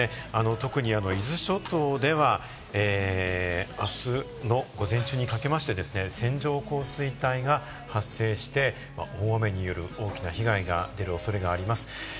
特に伊豆諸島では、あすの午前中にかけて線状降水帯が発生して大雨による大きな被害が出る恐れがあります。